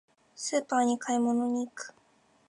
スーパーに買い物に行く。